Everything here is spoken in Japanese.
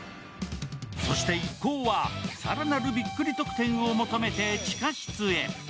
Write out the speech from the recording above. そして一行は、更なるびっくり特典を求めて地下室へ。